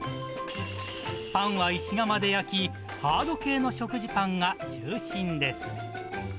パンは石窯で焼き、ハード系の食事パンが中心です。